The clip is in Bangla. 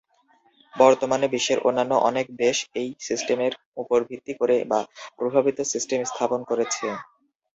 বর্তমানে, বিশ্বের অন্যান্য অনেক দেশ এই সিস্টেমের উপর ভিত্তি করে বা প্রভাবিত সিস্টেম স্থাপন করেছে।